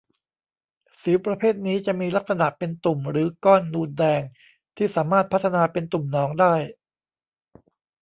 สิวประเภทนี้จะมีลักษณะเป็นตุ่ม หรือก้อนนูนแดงที่สามารถพัฒนาเป็นตุ่มหนองได้